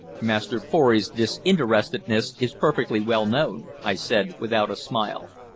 "Master Pory's disinterestedness is perfectly well known," I said, without a smile.